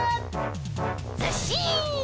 ずっしん！